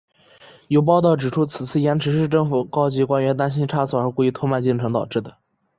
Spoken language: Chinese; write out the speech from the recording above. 有报导指出此次延迟是市政府高级官员担心差错而故意拖慢进程导致的。